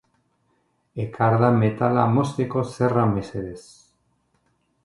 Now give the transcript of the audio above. Ekardan metala mozteko zerra mesedez.